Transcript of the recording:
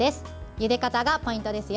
ゆで方がポイントですよ。